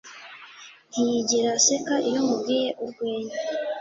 Ntiyigera aseka iyo mubwiye urwenya